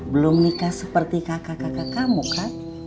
belum nikah seperti kakak kakak kamu kan